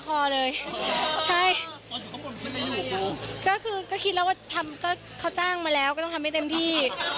ก็เขาจ้างมาแล้วก็ต้องทำให้เต็มที่